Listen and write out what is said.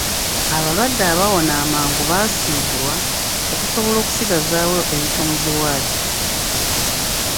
Abalwadde abawona amangu basiibulwa okusobola okusigazaawo ebifo mu zi waadi.